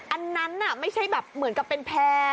อันนั้นไม่ใช่แบบเหมือนกับเป็นแพร่